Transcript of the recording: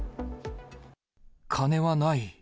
金はない。